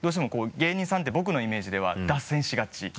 芸人さんって僕のイメージでは脱線しがち。